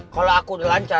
kalau aku udah lancar